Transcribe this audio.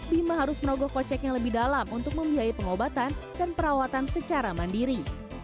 bima harus merogoh koceknya lebih dalam untuk membiayai pengobatan dan perawatan secara mandiri